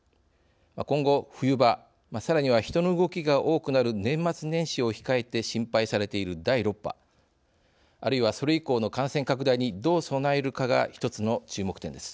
今後冬場さらには人の動きが多くなる年末年始を控えて心配されている第６波あるいはそれ以降の感染拡大にどう備えるかが一つの注目点です。